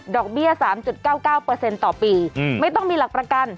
เบี้ย๓๙๙ต่อปีไม่ต้องมีหลักประกัน